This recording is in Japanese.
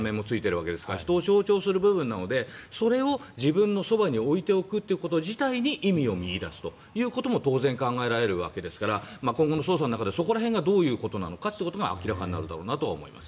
顔面もついているわけですから人を象徴する部分なのでそれを自分のそばに置いておくこと自体に意味を見いだすということも当然考えられるわけですから今後の捜査の中でそこら辺がどういうことなのかというのが明らかになるだろうなと思います。